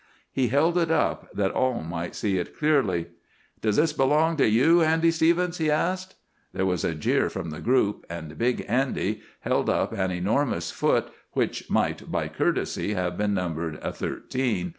He held it up, that all might see it clearly. "Does this belong to you, Andy Stevens?" he asked. There was a jeer from the group, and Big Andy held up an enormous foot, which might, by courtesy, have been numbered a thirteen.